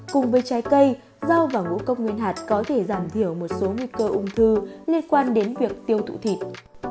cùng với trái cây rau và ngũ cốc nguyên hạt có thể giảm thiểu một số nguy cơ ung thư liên quan đến việc uống